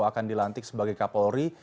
akan dilantik sebagai kapolri